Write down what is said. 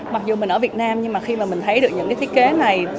mặc dù mình ở việt nam nhưng khi mình thấy được những thiết kế này